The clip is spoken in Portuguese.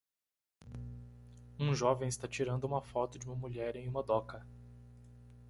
Um jovem está tirando uma foto de uma mulher em uma doca.